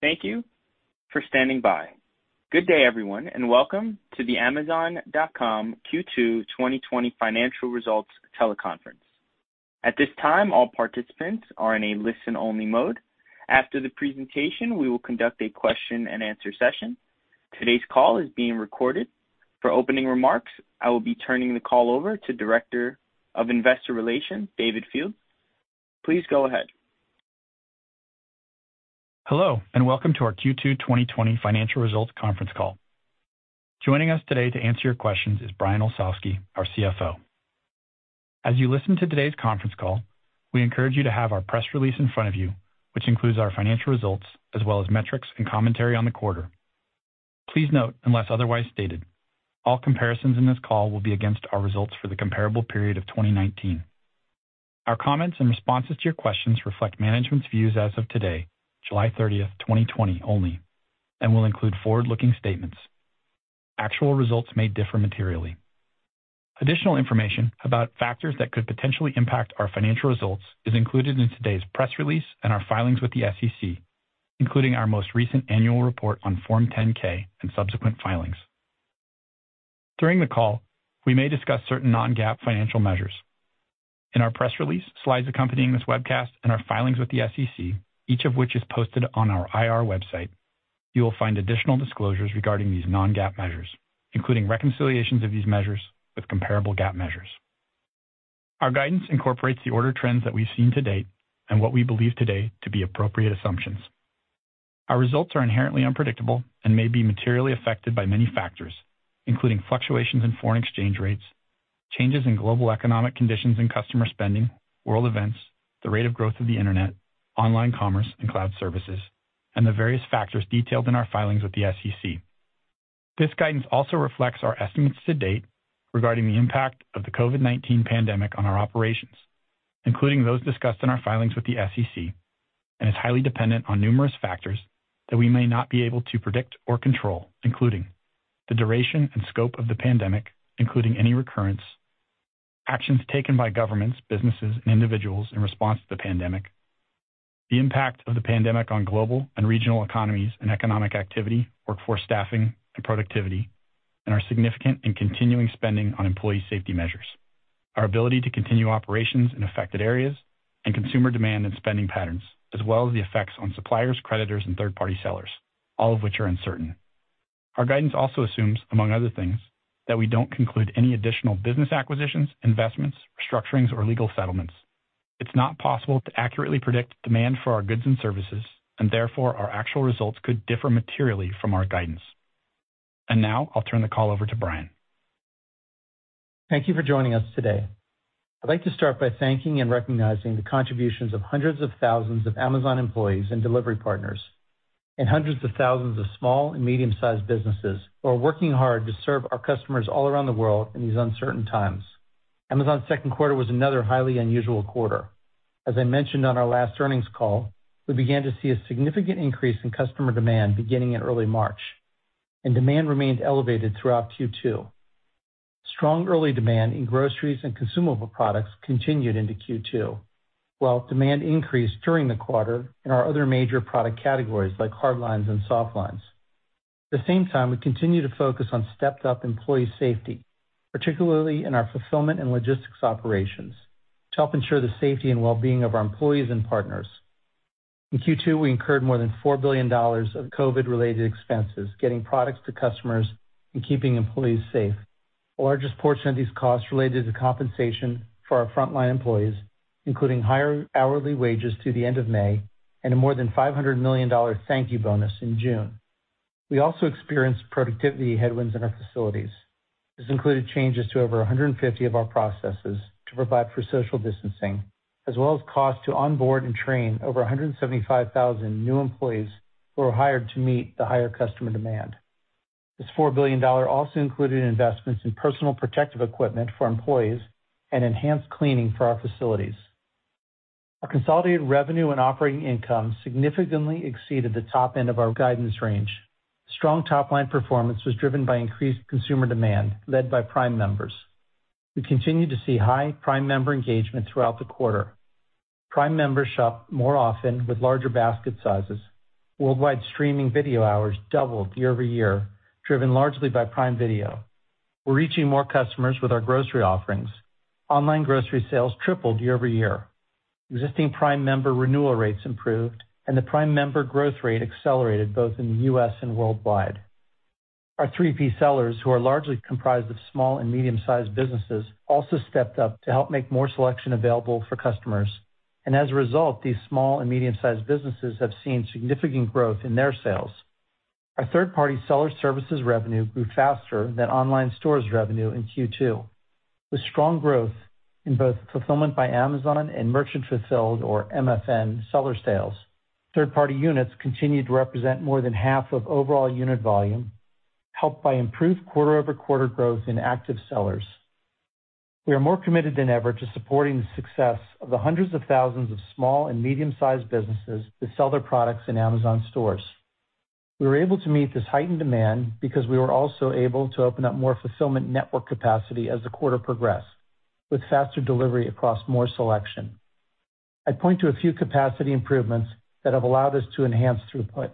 Thank you for standing by. Good day, everyone, and welcome to the Amazon.com Q2 2020 financial results teleconference. At this time, all participants are in a listen-only mode. After the presentation, we will conduct a question and answer session. Today's call is being recorded. For opening remarks, I will be turning the call over to Director of Investor Relations, Dave Fildes. Please go ahead. Hello, welcome to our Q2 2020 financial results conference call. Joining us today to answer your questions is Brian Olsavsky, our CFO. As you listen to today's conference call, we encourage you to have our press release in front of you, which includes our financial results, as well as metrics and commentary on the quarter. Please note, unless otherwise stated, all comparisons in this call will be against our results for the comparable period of 2019. Our comments and responses to your questions reflect management's views as of today, July 30th, 2020 only, and will include forward-looking statements. Actual results may differ materially. Additional information about factors that could potentially impact our financial results is included in today's press release and our filings with the SEC, including our most recent annual report on Form 10-K and subsequent filings. During the call, we may discuss certain non-GAAP financial measures. In our press release, slides accompanying this webcast, and our filings with the SEC, each of which is posted on our IR website, you will find additional disclosures regarding these non-GAAP measures, including reconciliations of these measures with comparable GAAP measures. Our guidance incorporates the order trends that we've seen to date and what we believe today to be appropriate assumptions. Our results are inherently unpredictable and may be materially affected by many factors, including fluctuations in foreign exchange rates, changes in global economic conditions and customer spending, world events, the rate of growth of the Internet, online commerce and cloud services, and the various factors detailed in our filings with the SEC. This guidance also reflects our estimates to date regarding the impact of the COVID-19 pandemic on our operations, including those discussed in our filings with the SEC, and is highly dependent on numerous factors that we may not be able to predict or control, including the duration and scope of the pandemic, including any recurrence, actions taken by governments, businesses, and individuals in response to the pandemic, the impact of the pandemic on global and regional economies and economic activity, workforce staffing, and productivity, and our significant and continuing spending on employee safety measures, our ability to continue operations in affected areas, and consumer demand and spending patterns, as well as the effects on suppliers, creditors, and third-party sellers, all of which are uncertain. Our guidance also assumes, among other things, that we don't conclude any additional business acquisitions, investments, restructurings, or legal settlements. It's not possible to accurately predict demand for our goods and services, and therefore, our actual results could differ materially from our guidance. Now I'll turn the call over to Brian. Thank you for joining us today. I'd like to start by thanking and recognizing the contributions of hundreds of thousands of Amazon employees and delivery partners, and hundreds of thousands of small and medium-sized businesses who are working hard to serve our customers all around the world in these uncertain times. Amazon's second quarter was another highly unusual quarter. As I mentioned on our last earnings call, we began to see a significant increase in customer demand beginning in early March, and demand remained elevated throughout Q2. Strong early demand in groceries and consumable products continued into Q2, while demand increased during the quarter in our other major product categories like hardlines and softlines. At the same time, we continue to focus on stepped-up employee safety, particularly in our fulfillment and logistics operations, to help ensure the safety and well-being of our employees and partners. In Q2, we incurred more than $4 billion of COVID-related expenses getting products to customers and keeping employees safe. The largest portion of these costs related to compensation for our frontline employees, including higher hourly wages through the end of May and a more than $500 million thank you bonus in June. We also experienced productivity headwinds in our facilities. This included changes to over 150 of our processes to provide for social distancing, as well as cost to onboard and train over 175,000 new employees who were hired to meet the higher customer demand. This $4 billion also included investments in personal protective equipment for employees and enhanced cleaning for our facilities. Our consolidated revenue and operating income significantly exceeded the top end of our guidance range. Strong top-line performance was driven by increased consumer demand, led by Prime members. We continued to see high Prime member engagement throughout the quarter. Prime members shop more often with larger basket sizes. Worldwide streaming video hours doubled year-over-year, driven largely by Prime Video. We're reaching more customers with our grocery offerings. Online grocery sales tripled year-over-year. Existing Prime member renewal rates improved, and the Prime member growth rate accelerated both in the U.S. and worldwide. Our 3P sellers, who are largely comprised of small and medium-sized businesses, also stepped up to help make more selection available for customers. As a result, these small and medium-sized businesses have seen significant growth in their sales. Our third-party seller services revenue grew faster than online stores revenue in Q2, with strong growth in both Fulfillment by Amazon and merchant fulfilled, or MFN, seller sales. Third-party units continued to represent more than half of overall unit volume, helped by improved quarter-over-quarter growth in active sellers. We are more committed than ever to supporting the success of the hundreds of thousands of small and medium-sized businesses that sell their products in Amazon stores. We were able to meet this heightened demand because we were also able to open up more fulfillment network capacity as the quarter progressed, with faster delivery across more selection. I'd point to a few capacity improvements that have allowed us to enhance throughput.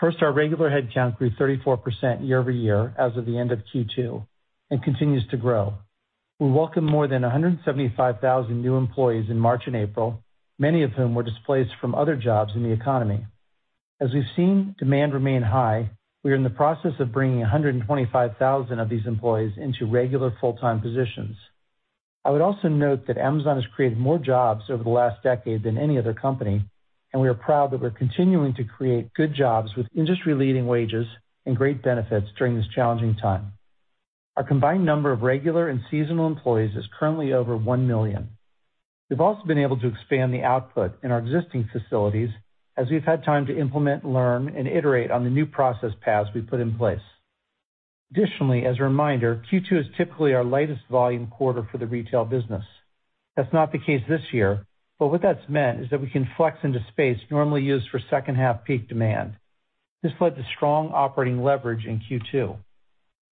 First, our regular headcount grew 34% year-over-year as of the end of Q2 and continues to grow. We welcomed more than 175,000 new employees in March and April, many of whom were displaced from other jobs in the economy. As we've seen demand remain high, we are in the process of bringing 125,000 of these employees into regular full-time positions. I would also note that Amazon has created more jobs over the last decade than any other company, and we are proud that we're continuing to create good jobs with industry-leading wages and great benefits during this challenging time. Our combined number of regular and seasonal employees is currently over 1 million. We've also been able to expand the output in our existing facilities as we've had time to implement, learn, and iterate on the new process paths we've put in place. Additionally, as a reminder, Q2 is typically our lightest volume quarter for the retail business. That's not the case this year, but what that's meant is that we can flex into space normally used for second half peak demand. This led to strong operating leverage in Q2.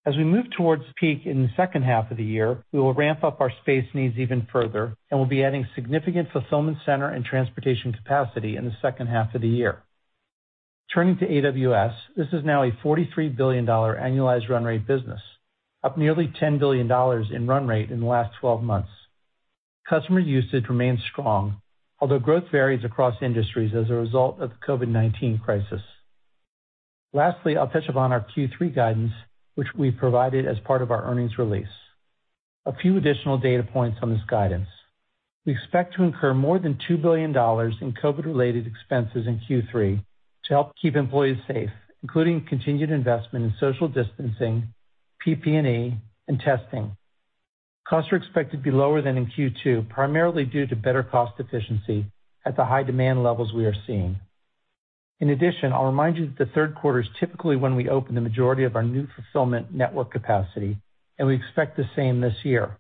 As we move towards peak in the second half of the year, we will ramp up our space needs even further and will be adding significant fulfillment center and transportation capacity in the second half of the year. Turning to AWS, this is now a $43 billion annualized run rate business, up nearly $10 billion in run rate in the last 12 months. Customer usage remains strong, although growth varies across industries as a result of the COVID-19 crisis. I'll touch upon our Q3 guidance, which we provided as part of our earnings release. A few additional data points on this guidance. We expect to incur more than $2 billion in COVID-related expenses in Q3 to help keep employees safe, including continued investment in social distancing, PP&E, and testing. Costs are expected to be lower than in Q2, primarily due to better cost efficiency at the high demand levels we are seeing. In addition, I'll remind you that the third quarter is typically when we open the majority of our new fulfillment network capacity, and we expect the same this year.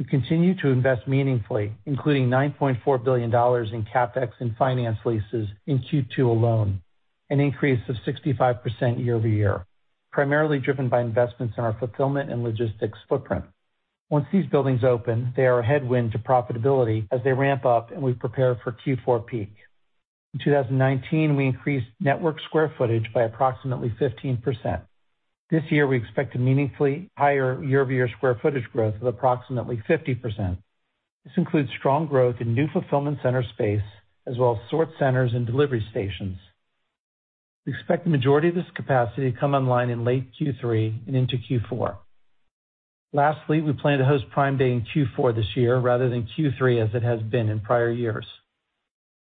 We continue to invest meaningfully, including $9.4 billion in CapEx and finance leases in Q2 alone, an increase of 65% year-over-year, primarily driven by investments in our fulfillment and logistics footprint. Once these buildings open, they are a headwind to profitability as they ramp up and we prepare for Q4 peak. In 2019, we increased network square footage by approximately 15%. This year, we expect a meaningfully higher year-over-year square footage growth of approximately 50%. This includes strong growth in new fulfillment center space as well as sort centers and delivery stations. We expect the majority of this capacity to come online in late Q3 and into Q4. Lastly, we plan to host Prime Day in Q4 this year rather than Q3 as it has been in prior years.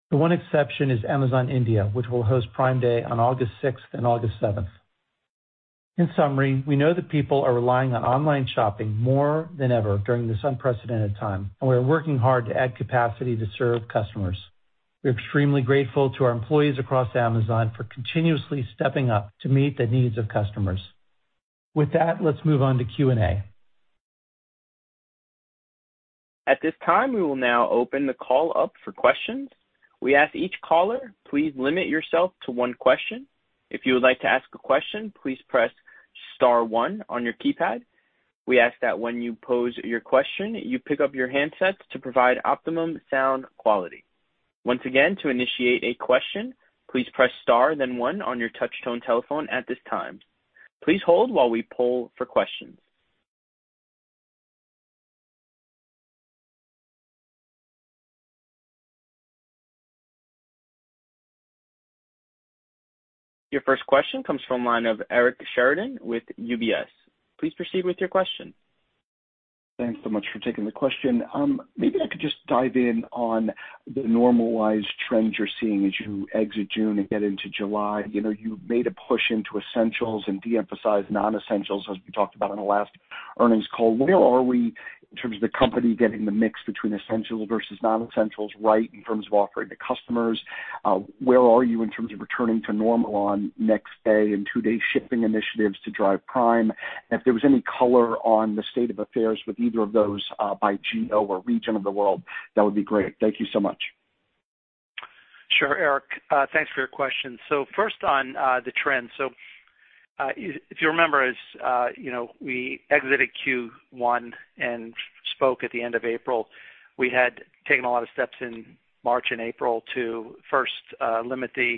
The one exception is Amazon India, which will host Prime Day on August 6th and August 7th. In summary, we know that people are relying on online shopping more than ever during this unprecedented time, and we are working hard to add capacity to serve customers. We are extremely grateful to our employees across Amazon for continuously stepping up to meet the needs of customers. With that, let's move on to Q&A. At this time, we will now open the call up for questions. We ask each caller, please limit yourself to one question. If you would like to ask a question, please press star one on your keypad. We ask that when you pose your question, you pick up your handsets to provide optimum sound quality. Once again, to initiate a question, please press star then one on your touchtone telephone at this time. Please hold while we poll for questions. Your first question comes from the line of Eric Sheridan with UBS. Please proceed with your question. Thanks so much for taking the question. Maybe I could just dive in on the normalized trends you're seeing as you exit June and get into July. You made a push into essentials and de-emphasized non-essentials, as we talked about on the last earnings call. Where are we in terms of the company getting the mix between essentials versus non-essentials right in terms of offering to customers? Where are you in terms of returning to normal on next-day and two-day shipping initiatives to drive Prime? If there was any color on the state of affairs with either of those by geo or region of the world, that would be great. Thank you so much. Sure, Eric. Thanks for your question. First on the trend. If you remember, as we exited Q1 and spoke at the end of April, we had taken a lot of steps in March and April to first limit the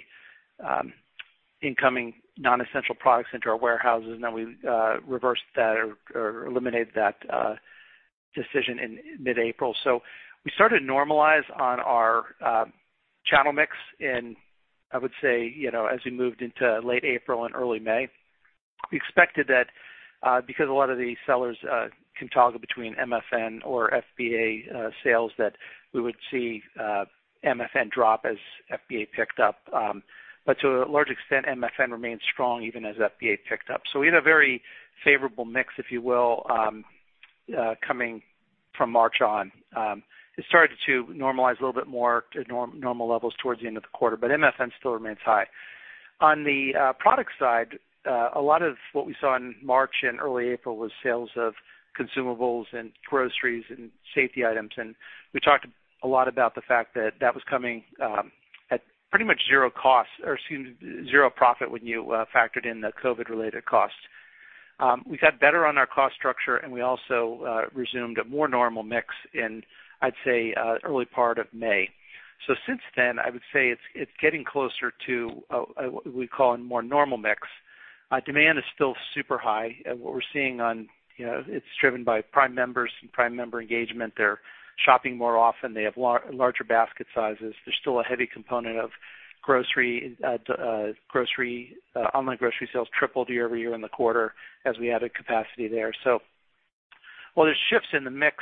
incoming non-essential products into our warehouses, and then we reversed that or eliminated that decision in mid-April. We started to normalize on our channel mix in, I would say, as we moved into late April and early May. We expected that because a lot of the sellers can toggle between MFN or FBA sales, that we would see MFN drop as FBA picked up. To a large extent, MFN remained strong even as FBA picked up. We had a very favorable mix, if you will, coming from March on. It started to normalize a little bit more to normal levels towards the end of the quarter, but MFN still remains high. On the product side, a lot of what we saw in March and early April was sales of consumables and groceries and safety items, and we talked a lot about the fact that that was coming at pretty much zero profit when you factored in the COVID-related costs. We got better on our cost structure, and we also resumed a more normal mix in, I'd say, early part of May. Since then, I would say it's getting closer to what we call a more normal mix. Demand is still super high. What we're seeing on, it's driven by Prime members and Prime member engagement. They're shopping more often. They have larger basket sizes. There's still a heavy component of online grocery sales tripled year-over-year in the quarter as we added capacity there. While there's shifts in the mix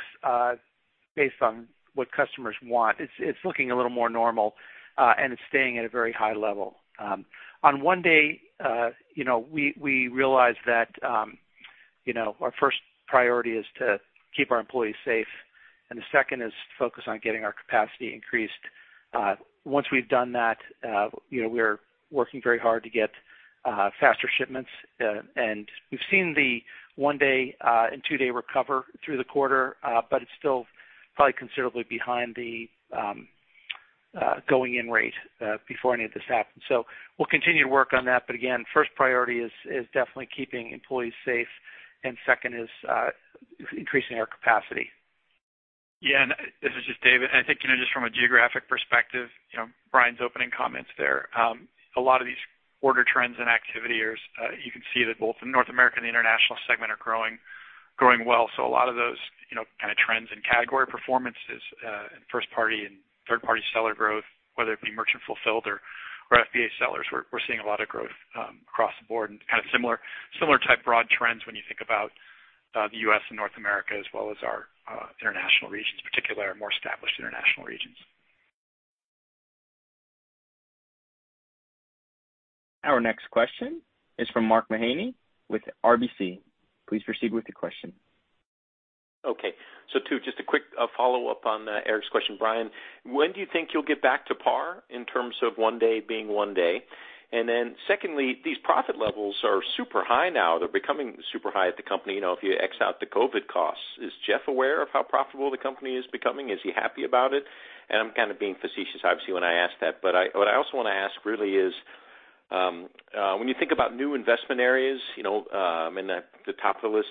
based on what customers want, it's looking a little more normal, and it's staying at a very high level. On one day, we realized that our first priority is to keep our employees safe, and the second is focus on getting our capacity increased. Once we've done that, we are working very hard to get faster shipments. We've seen the one-day and two-day recover through the quarter, but it's still probably considerably behind the going-in rate before any of this happened. We'll continue to work on that, but again, first priority is definitely keeping employees safe, and second is increasing our capacity. This is just David. I think, just from a geographic perspective, Brian's opening comments there, a lot of these quarter trends and activity are, you can see that both in North America and the international segment are growing well. A lot of those kind of trends in category performances, in first-party and third-party seller growth, whether it be merchant fulfilled or FBA sellers, we're seeing a lot of growth across the board and kind of similar type broad trends when you think about the U.S. and North America, as well as our international regions, particularly our more established international regions. Our next question is from Mark Mahaney with RBC. Please proceed with the question. Okay. Two, just a quick follow-up on Eric's question, Brian, when do you think you'll get back to par in terms of one day being one day? Secondly, these profit levels are super high now. They're becoming super high at the company, if you X out the COVID costs. Is Jeff aware of how profitable the company is becoming? Is he happy about it? I'm kind of being facetious, obviously, when I ask that. What I also want to ask really is, when you think about new investment areas, I mean, the top of the list,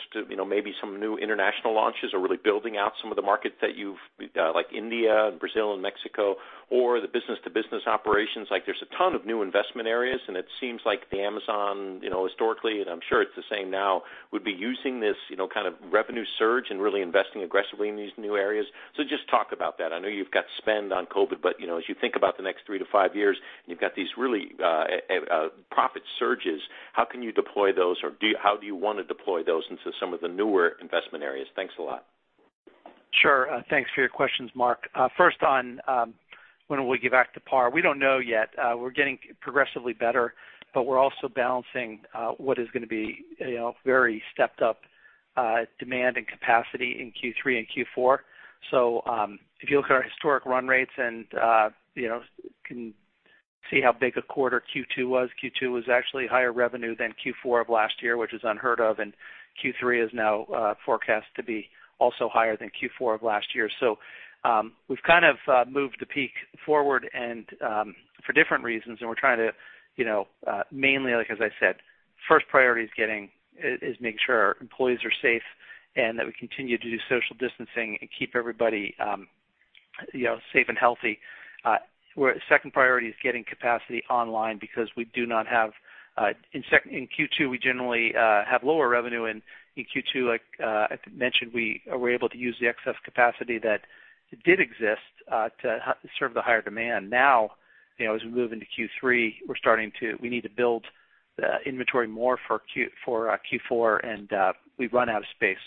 maybe some new international launches or really building out some of the markets that you've, like India and Brazil and Mexico, or the business-to-business operations, there's a ton of new investment areas, and it seems like Amazon, historically, and I'm sure it's the same now, would be using this kind of revenue surge and really investing aggressively in these new areas. Just talk about that. I know you've got spend on COVID-19, but as you think about the next three to five years, and you've got these really profit surges, how can you deploy those, or how do you want to deploy those into some of the newer investment areas? Thanks a lot. Sure. Thanks for your questions, Mark. First on when will we get back to par. We don't know yet. We're getting progressively better, but we're also balancing what is going to be a very stepped-up demand and capacity in Q3 and Q4. If you look at our historic run rates and can see how big a quarter Q2 was, Q2 was actually higher revenue than Q4 of last year, which is unheard of, and Q3 is now forecast to be also higher than Q4 of last year. We've kind of moved the peak forward and for different reasons, and we're trying to, mainly, like as I said, first priority is making sure our employees are safe and that we continue to do social distancing and keep everybody safe and healthy. Second priority is getting capacity online because in Q2, we generally have lower revenue. In Q2, like I mentioned, we were able to use the excess capacity that did exist to serve the higher demand. As we move into Q3, we need to build the inventory more for Q4, and we've run out of space.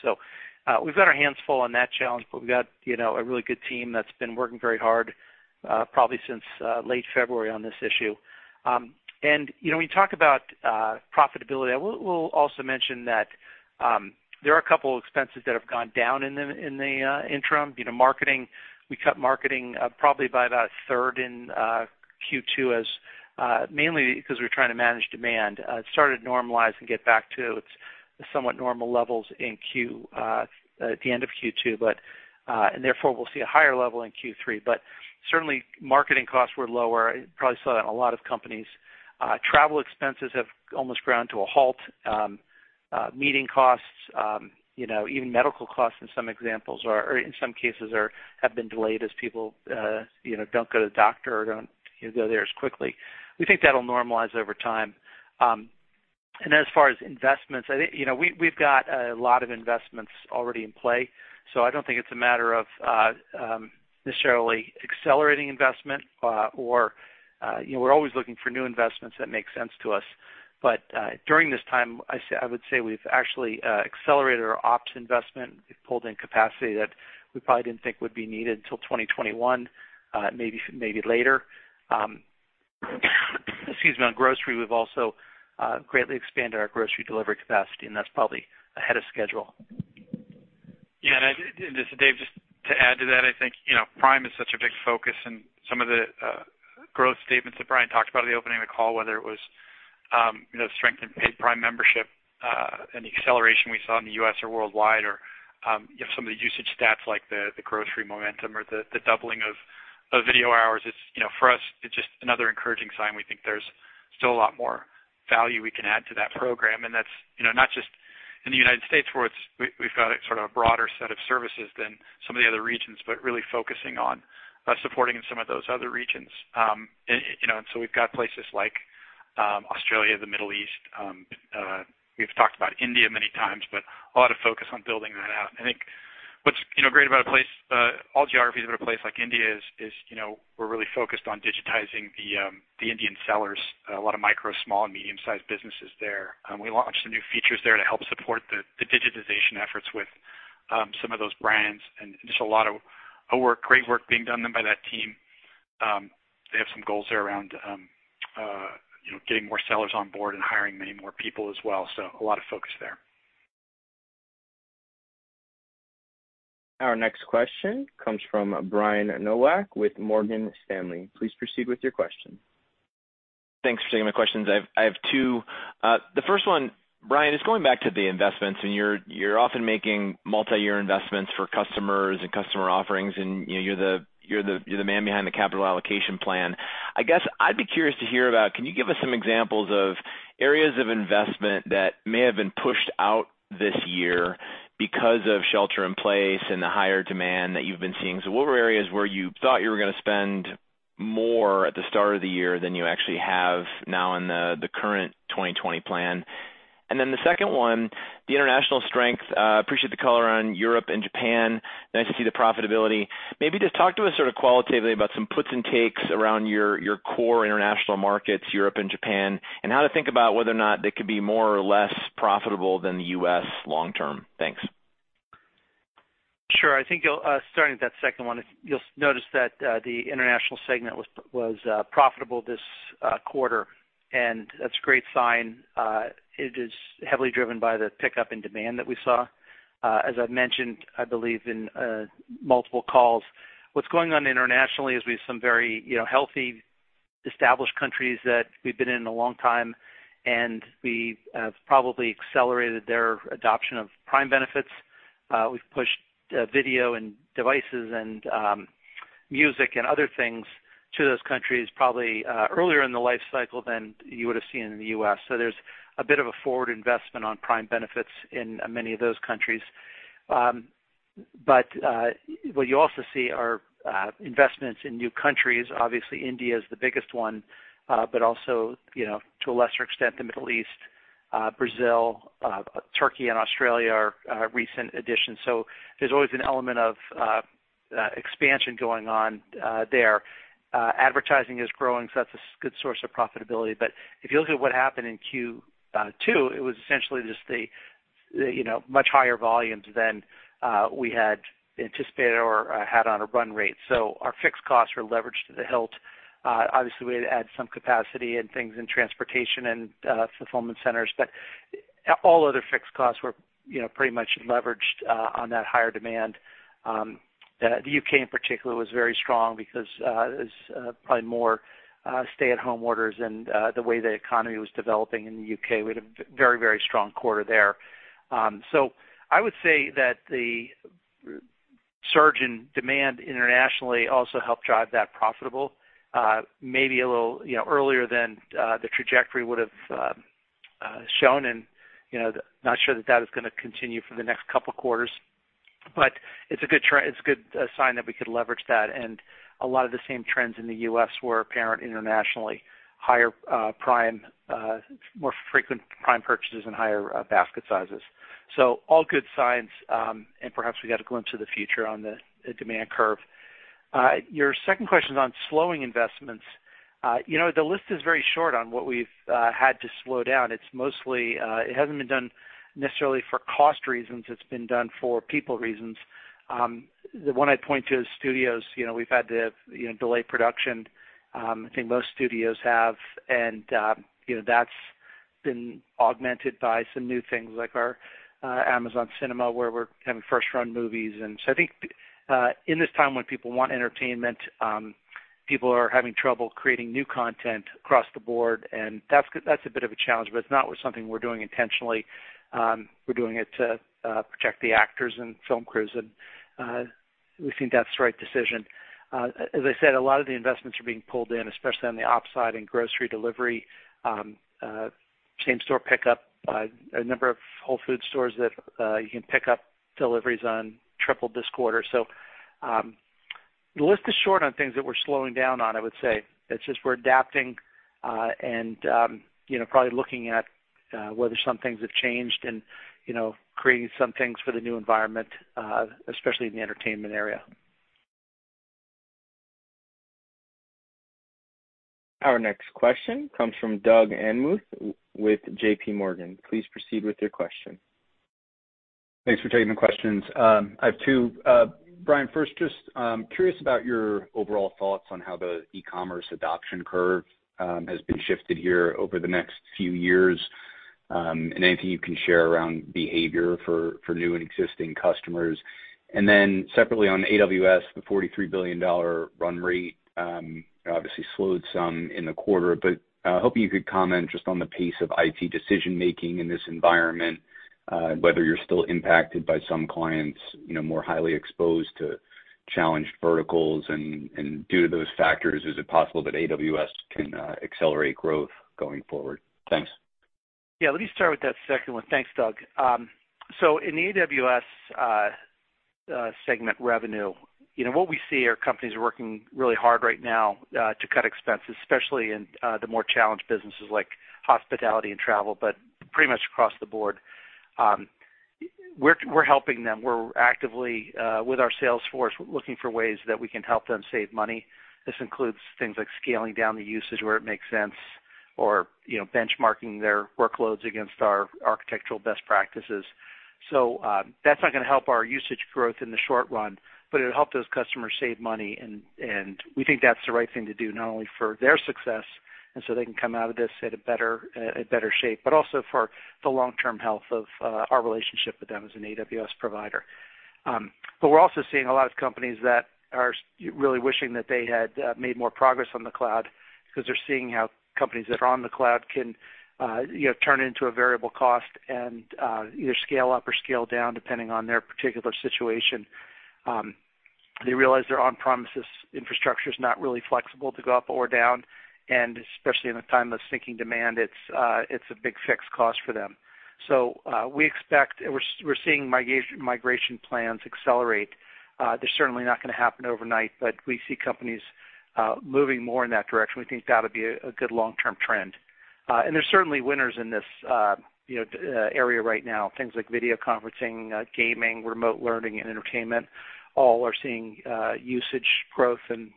We've got our hands full on that challenge, but we've got a really good team that's been working very hard, probably since late February on this issue. When you talk about profitability, I will also mention that there are a couple expenses that have gone down in the interim. Marketing, we cut marketing probably by about a third in Q2 as mainly because we were trying to manage demand. It started to normalize and get back to its somewhat normal levels at the end of Q2, and therefore we'll see a higher level in Q3. Certainly, marketing costs were lower. You probably saw that in a lot of companies. Travel expenses have almost ground to a halt. Meeting costs, even medical costs in some cases have been delayed as people don't go to the doctor or don't go there as quickly. We think that'll normalize over time. As far as investments, we've got a lot of investments already in play. I don't think it's a matter of necessarily accelerating investment. We're always looking for new investments that make sense to us. During this time, I would say we've actually accelerated our ops investment. We've pulled in capacity that we probably didn't think would be needed until 2021, maybe later. Excuse me. On grocery, we've also greatly expanded our grocery delivery capacity, and that's probably ahead of schedule. Yeah. This is Dave. Just to add to that, I think Prime is such a big focus and some of the growth statements that Brian talked about at the opening of the call, whether it was strength in paid Prime membership, and the acceleration we saw in the U.S. or worldwide, or you have some of the usage stats, like the grocery momentum or the doubling of video hours. For us, it's just another encouraging sign. We think there's still a lot more value we can add to that program, and that's not just in the United States, where we've got a broader set of services than some of the other regions, but really focusing on supporting some of those other regions. We've got places like Australia, the Middle East. We've talked about India many times, but a lot of focus on building that out. I think what's great about all geographies of a place like India is we're really focused on digitizing the Indian sellers, a lot of micro, small, and medium-sized businesses there. We launched some new features there to help support the digitization efforts with some of those brands, and just a lot of great work being done by that team. They have some goals there around getting more sellers on board and hiring many more people as well. A lot of focus there. Our next question comes from Brian Nowak with Morgan Stanley. Please proceed with your question. Thanks for taking my questions. I have two. The first one, Brian, is going back to the investments, and you're often making multi-year investments for customers and customer offerings, and you're the man behind the capital allocation plan. I guess I'd be curious to hear about, can you give us some examples of areas of investment that may have been pushed out this year because of shelter in place and the higher demand that you've been seeing? What were areas where you thought you were going to spend more at the start of the year than you actually have now in the current 2020 plan? The second one, the international strength. Appreciate the color on Europe and Japan. Nice to see the profitability. Maybe just talk to us sort of qualitatively about some puts and takes around your core international markets, Europe and Japan, and how to think about whether or not they could be more or less profitable than the U.S. long term. Thanks. Sure. I think starting at that second one, you'll notice that the international segment was profitable this quarter, and that's a great sign. It is heavily driven by the pickup in demand that we saw. As I've mentioned, I believe, in multiple calls, what's going on internationally is we have some very healthy, established countries that we've been in a long time, and we have probably accelerated their adoption of Prime benefits. We've pushed video and devices and music and other things to those countries probably earlier in the life cycle than you would have seen in the U.S. There's a bit of a forward investment on Prime benefits in many of those countries. What you also see are investments in new countries. Obviously, India is the biggest one, but also, to a lesser extent, the Middle East, Brazil, Turkey, and Australia are recent additions. There's always an element of expansion going on there. Advertising is growing, so that's a good source of profitability. If you look at what happened in Q2, it was essentially just the much higher volumes than we had anticipated or had on a run rate. Our fixed costs were leveraged to the hilt. Obviously, we had to add some capacity and things in transportation and fulfillment centers, but all other fixed costs were pretty much leveraged on that higher demand. The U.K. in particular was very strong because there's probably more stay-at-home orders and the way the economy was developing in the U.K. We had a very strong quarter there. I would say that the surge in demand internationally also helped drive that profitable maybe a little earlier than the trajectory would have shown, and not sure that that is going to continue for the next couple of quarters. It's a good sign that we could leverage that, and a lot of the same trends in the U.S. were apparent internationally. More frequent Prime purchases and higher basket sizes. All good signs, and perhaps we got a glimpse of the future on the demand curve. Your second question is on slowing investments. The list is very short on what we've had to slow down. It hasn't been done necessarily for cost reasons. It's been done for people reasons. The one I point to is studios. We've had to delay production. I think most studios have, and that's been augmented by some new things, like our Amazon Cinema, where we're having first-run movies. I think in this time when people want entertainment, people are having trouble creating new content across the board, and that's a bit of a challenge, but it's not something we're doing intentionally. We're doing it to protect the actors and film crews, and we think that's the right decision. As I said, a lot of the investments are being pulled in, especially on the ops side in grocery delivery, same-store pickup. A number of Whole Foods stores that you can pick up deliveries on tripled this quarter. The list is short on things that we're slowing down on, I would say. It's just we're adapting, and probably looking at whether some things have changed, and creating some things for the new environment, especially in the entertainment area. Our next question comes from Doug Anmuth with JPMorgan. Please proceed with your question. Thanks for taking the questions. I have two. Brian, first, just curious about your overall thoughts on how the e-commerce adoption curve has been shifted here over the next few years, and anything you can share around behavior for new and existing customers. Separately on AWS, the $43 billion run rate obviously slowed some in the quarter, but I hope you could comment just on the pace of IT decision-making in this environment, whether you're still impacted by some clients more highly exposed to challenged verticals, and due to those factors, is it possible that AWS can accelerate growth going forward? Thanks. Yeah. Let me start with that second one. Thanks, Doug. In the AWS segment revenue, what we see are companies working really hard right now, to cut expenses, especially in the more challenged businesses like hospitality and travel, but pretty much across the board. We're helping them. We're actively, with our sales force, looking for ways that we can help them save money. This includes things like scaling down the usage where it makes sense or benchmarking their workloads against our architectural best practices. That's not going to help our usage growth in the short run, but it'll help those customers save money, and we think that's the right thing to do, not only for their success and so they can come out of this at a better shape, but also for the long-term health of our relationship with them as an AWS provider. We're also seeing a lot of companies that are really wishing that they had made more progress on the cloud because they're seeing how companies that are on the cloud can turn it into a variable cost and either scale up or scale down, depending on their particular situation. They realize their on-premises infrastructure's not really flexible to go up or down, and especially in a time of sinking demand, it's a big fixed cost for them. We're seeing migration plans accelerate. They're certainly not going to happen overnight, but we see companies moving more in that direction. We think that'll be a good long-term trend. There's certainly winners in this area right now. Things like video conferencing, gaming, remote learning, and entertainment, all are seeing usage growth, and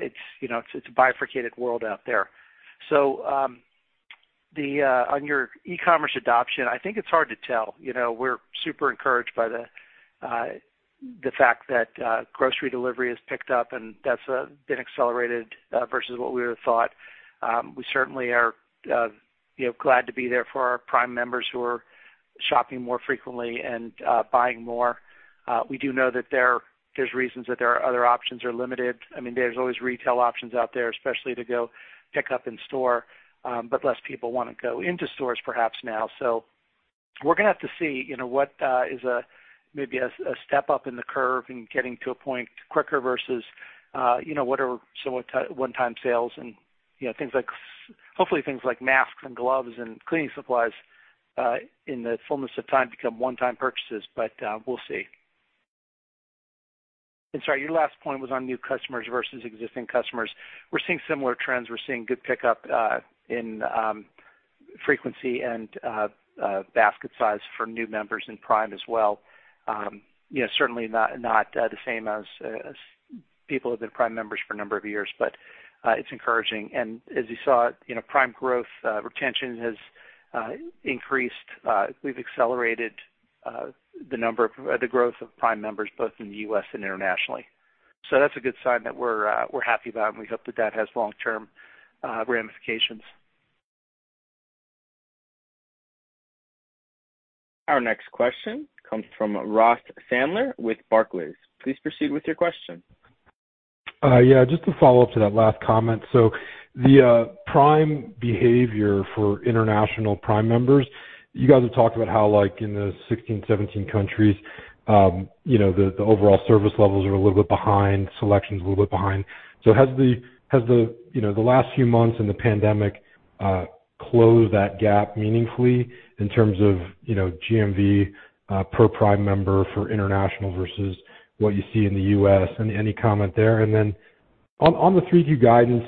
it's a bifurcated world out there. On your e-commerce adoption, I think it's hard to tell. We're super encouraged by the fact that grocery delivery has picked up, and that's been accelerated versus what we would've thought. We certainly are glad to be there for our Prime members who are shopping more frequently and buying more. We do know that there's reasons that their other options are limited. There's always retail options out there, especially to go pick up in store, but less people wanna go into stores perhaps now. We're gonna have to see what is maybe a step up in the curve in getting to a point quicker versus what are some one-time sales and hopefully things like masks and gloves and cleaning supplies, in the fullness of time, become one-time purchases, but we'll see. Sorry, your last point was on new customers versus existing customers. We're seeing similar trends. We're seeing good pickup in frequency and basket size for new members in Prime as well. Certainly not the same as people who have been Prime members for a number of years, but, it's encouraging. As you saw, Prime growth retention has increased. We've accelerated the growth of Prime members both in the U.S. and internationally. That's a good sign that we're happy about, and we hope that that has long-term ramifications. Our next question comes from Ross Sandler with Barclays. Please proceed with your question. Yeah, just to follow up to that last comment. The Prime behavior for international Prime members, you guys have talked about how like in the 16, 17 countries, the overall service levels are a little bit behind, selection's a little bit behind. Has the last few months and the pandemic closed that gap meaningfully in terms of GMV per Prime member for international versus what you see in the U.S.? Any comment there? Then on the 3Q guidance,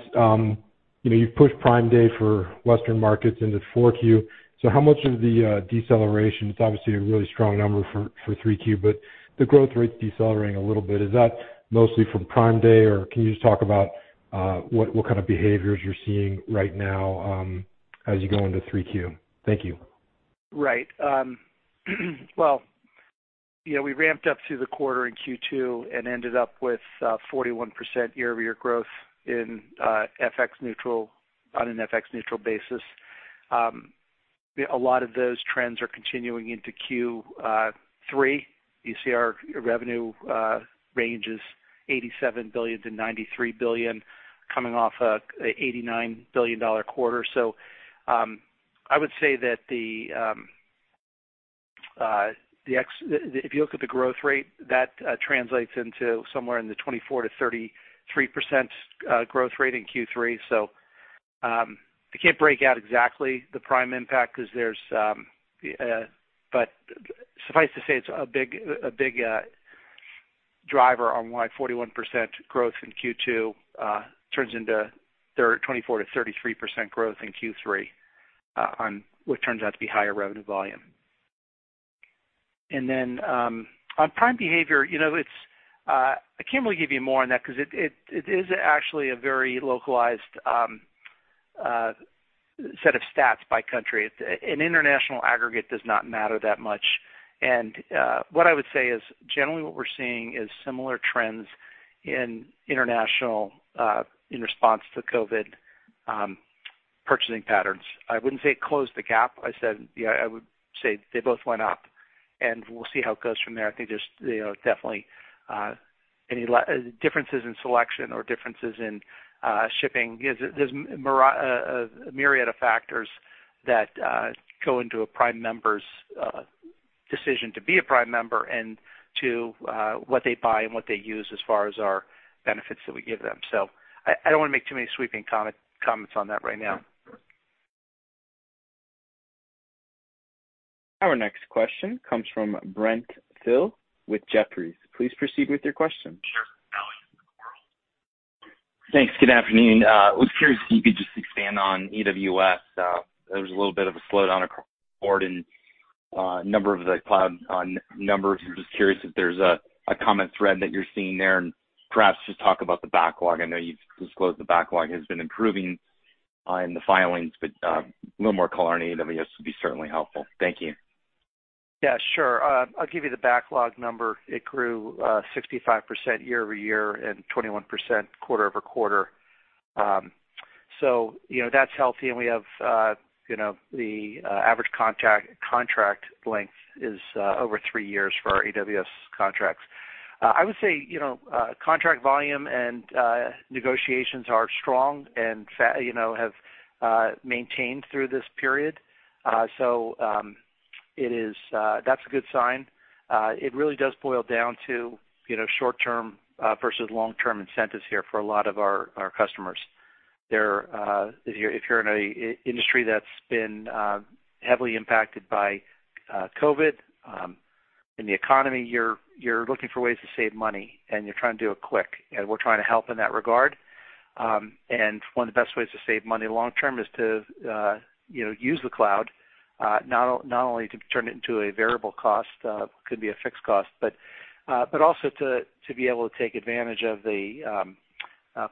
you've pushed Prime Day for Western markets into 4Q, how much of the deceleration, it's obviously a really strong number for 3Q, the growth rate's decelerating a little bit. Is that mostly from Prime Day, can you just talk about what kind of behaviors you're seeing right now as you go into 3Q? Thank you. Right. Well, we ramped up through the quarter in Q2 and ended up with 41% year-over-year growth on an FX neutral basis. A lot of those trends are continuing into Q3. You see our revenue range is $87 billion-$93 billion coming off a $89 billion quarter. I would say that if you look at the growth rate, that translates into somewhere in the 24%-33% growth rate in Q3. I can't break out exactly the Prime impact, but suffice to say, it's a big driver on why 41% growth in Q2 turns into 24%-33% growth in Q3, on what turns out to be higher revenue volume. On Prime behavior, I can't really give you more on that because it is actually a very localized set of stats by country. An international aggregate does not matter that much. What I would say is, generally what we're seeing is similar trends in international, in response to COVID. Purchasing patterns. I wouldn't say it closed the gap. I would say they both went up, and we'll see how it goes from there. I think there's definitely any differences in selection or differences in shipping. There's a myriad of factors that go into a Prime member's decision to be a Prime member and to what they buy and what they use as far as our benefits that we give them. I don't want to make too many sweeping comments on that right now. Our next question comes from Brent Thill with Jefferies. Please proceed with your question. Sure. Thanks. Good afternoon. I was curious if you could just expand on AWS. There was a little bit of a slowdown across the board in a number of the cloud numbers. I'm just curious if there's a common thread that you're seeing there, and perhaps just talk about the backlog. I know you've disclosed the backlog has been improving in the filings, but a little more color on AWS would be certainly helpful. Thank you. Yeah, sure. I'll give you the backlog number. It grew 65% year-over-year and 21% quarter-over-quarter. That's healthy, and we have the average contract length is over three years for our AWS contracts. I would say contract volume and negotiations are strong and have maintained through this period. That's a good sign. It really does boil down to short-term versus long-term incentives here for a lot of our customers. If you're in an industry that's been heavily impacted by COVID in the economy, you're looking for ways to save money, and you're trying to do it quick, and we're trying to help in that regard. One of the best ways to save money long term is to use the cloud, not only to turn it into a variable cost, could be a fixed cost, but also to be able to take advantage of the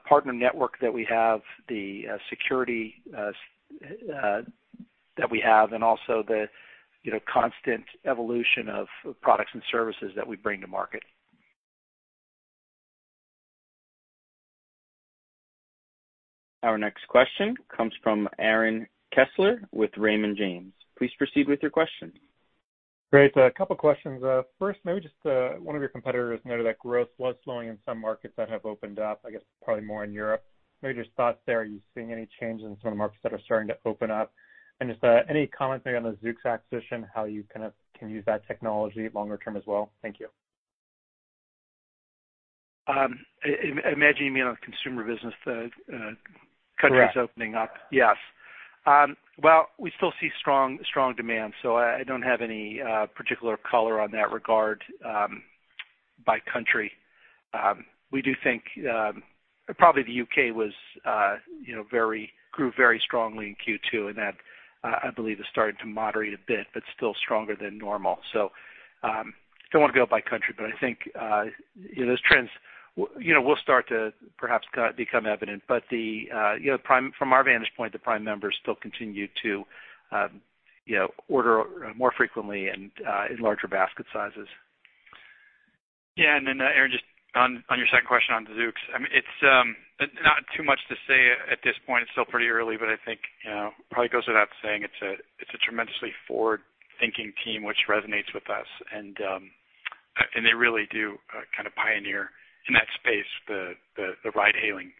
partner network that we have, the security that we have, and also the constant evolution of products and services that we bring to market. Our next question comes from Aaron Kessler with Raymond James. Please proceed with your question. Great. A couple questions. First, maybe just one of your competitors noted that growth was slowing in some markets that have opened up, I guess probably more in Europe. Maybe your thoughts there. Are you seeing any change in some of the markets that are starting to open up? Just any comment maybe on the Zoox acquisition, how you kind of can use that technology longer term as well? Thank you. I imagine you mean on the consumer business, the countries opening up. Correct. Yes. Well, we still see strong demand, I don't have any particular color on that regard by country. We do think probably the U.K. grew very strongly in Q2, that, I believe, has started to moderate a bit, still stronger than normal. Don't want to go by country, I think those trends will start to perhaps become evident. From our vantage point, the Prime members still continue to order more frequently and in larger basket sizes. Yeah. Aaron, just on your second question on Zoox, it's not too much to say at this point. It's still pretty early, I think, probably goes without saying, it's a tremendously forward-thinking team, which resonates with us, they really do kind of pioneer in that space, the ride-hailing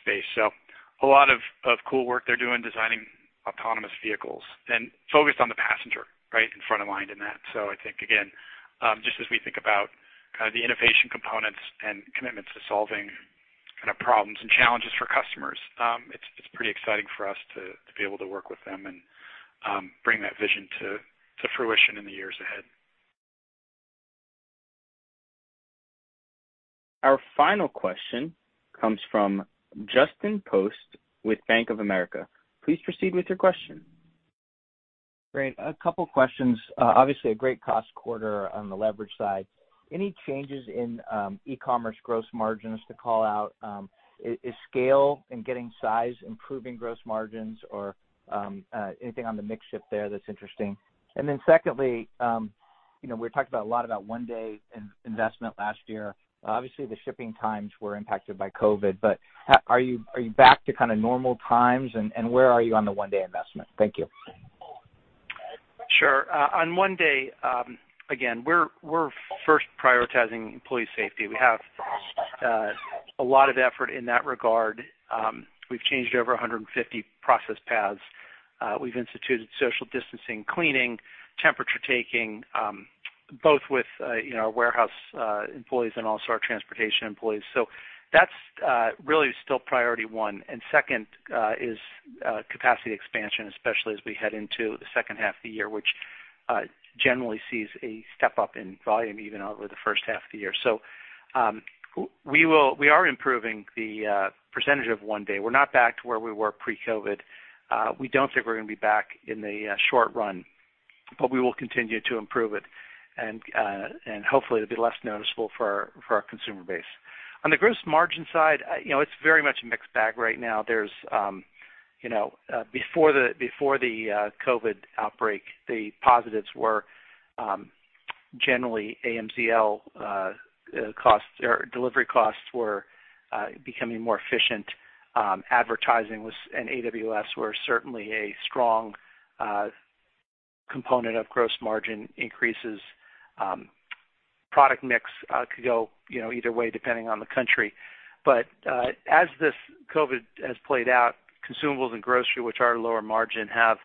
space. A lot of cool work they're doing designing autonomous vehicles and focused on the passenger right in front of mind in that. I think, again, just as we think about kind of the innovation components and commitments to solving kind of problems and challenges for customers. It's pretty exciting for us to be able to work with them and bring that vision to fruition in the years ahead. Our final question comes from Justin Post with Bank of America. Please proceed with your question. Great. A couple questions. Obviously, a great cost quarter on the leverage side. Any changes in e-commerce gross margins to call out? Is scale and getting size improving gross margins, or anything on the mix shift there that's interesting? Secondly, we talked a lot about one-day investment last year. Obviously, the shipping times were impacted by COVID-19, but are you back to kind of normal times, and where are you on the one-day investment? Thank you. On one-day, again, we're first prioritizing employee safety. We have a lot of effort in that regard. We've changed over 150 process paths. We've instituted social distancing, cleaning, temperature taking, both with our warehouse employees and also our transportation employees. That's really still priority 1, and second is capacity expansion, especially as we head into the second half of the year, which generally sees a step-up in volume even over the first half of the year. We are improving the percentage of one day. We're not back to where we were pre-COVID. We don't think we're going to be back in the short run, we will continue to improve it, and hopefully it'll be less noticeable for our consumer base. On the gross margin side, it's very much a mixed bag right now. Before the COVID outbreak, the positives were generally AMZL costs. Delivery costs were becoming more efficient. Advertising and AWS were certainly a strong component of gross margin increases. Product mix could go either way, depending on the country. As this COVID has played out, consumables and grocery, which are lower margin, have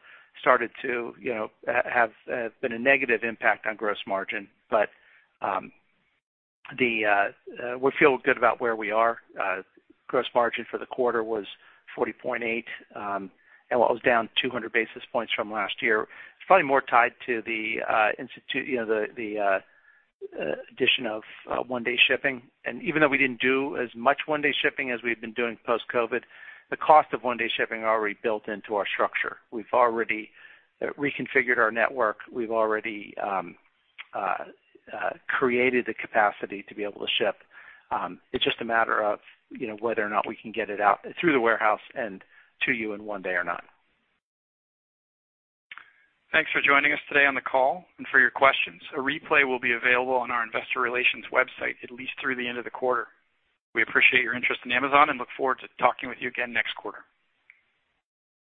been a negative impact on gross margin. We feel good about where we are. Gross margin for the quarter was 40.8, and while it was down 200 basis points from last year, it's probably more tied to the addition of one-day shipping. Even though we didn't do as much one-day shipping as we've been doing post-COVID, the cost of one-day shipping already built into our structure. We've already reconfigured our network. We've already created the capacity to be able to ship. It's just a matter of whether or not we can get it out through the warehouse and to you in one day or not. Thanks for joining us today on the call and for your questions. A replay will be available on our investor relations website at least through the end of the quarter. We appreciate your interest in Amazon and look forward to talking with you again next quarter.